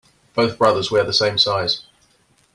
Both brothers wear the same size.